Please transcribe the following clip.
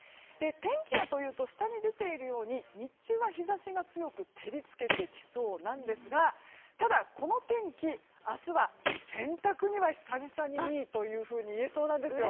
天気はというと下に出ているように日中は日差しが強く照り付けてきそうなんですがただこの天気、明日は洗濯には久々にいいというふうに言えそうなんですよ。